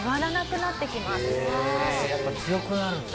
やっぱ強くなるんだ。